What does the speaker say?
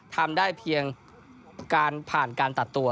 ทำได้เพียงการผ่านการตัดตัว